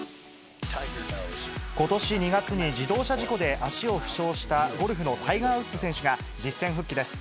ことし２月に自動車事故で足を負傷したゴルフのタイガー・ウッズ選手が実戦復帰です。